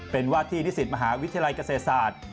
เป็นว่าที่นิสิตมหาวิทยาลัยเกษตรศาสตร์